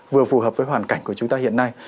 vừa phù hợp với hoàn cảnh của chúng ta hiện nay